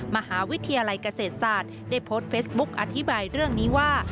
มหาวิทยาลัยเกษตรศาสตร์ได้โพสต์เฟซบุ๊กอธิบายเรื่องนี้ว่า